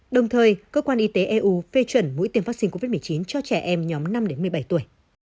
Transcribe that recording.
đồng thời cơ quan y tế eu phê chuẩn mũi tiêm vaccine covid một mươi chín cho trẻ em nhóm năm một mươi bảy tuổi